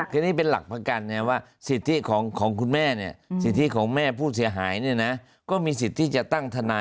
คือนี้เป็นหลักประกันเนี่ยว่าสิทธิของคุณแม่เนี่ยสิทธิของแม่ผู้เสียหายเนี่ยนะ